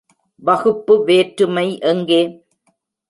வகுப்பு வேற்றுமை எங்கே?